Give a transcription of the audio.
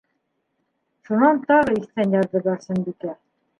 Шунан тағы иҫтән яҙҙы Барсынбикә.